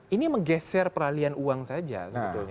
ini menggeser peralian uang saja sebetulnya